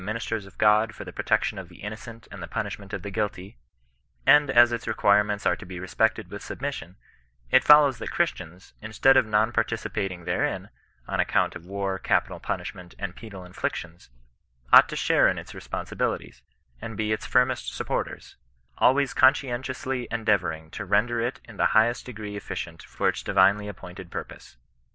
ministers of God for the protection of the innocent and the punishment of the guilty ; and as its requirements are to be respected with submission, it follows that Christians, instead of non participating therein, on ac count of war, capital punishment, and penal inflictions, ought to share in its responsibilities, and be its firmest supporters, — always conscientiously endeavouring to ren der it in the highest degree efficient for its divinely ap pointed purpose.